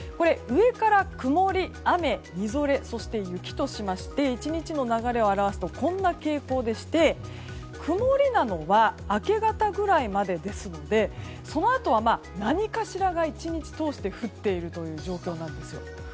上から曇り、雨、みぞれそして雪としまして１日の流れを表すとこんな傾向でして曇りなのは明け方ぐらいまでですのでそのあとは、何かしらが１日通して降っているという状況なんですよ。